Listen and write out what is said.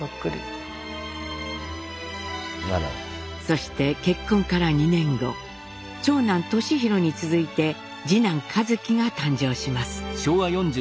そして結婚から２年後長男年浩に続いて次男一輝が誕生します。